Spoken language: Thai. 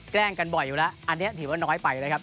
แกล้งกันบ่อยอยู่แล้วอันนี้ถือว่าน้อยไปนะครับ